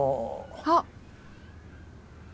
あっ。